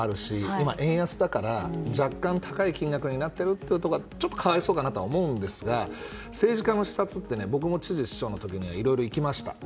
今、円安だから若干高い金額になっているのはちょっと可哀想かなとは思うんですが政治家の視察ってね、僕も知事、市長の時にはいろいろ行きました。